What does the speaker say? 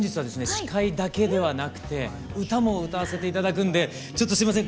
司会だけではなくて歌も歌わせて頂くんでちょっとすみません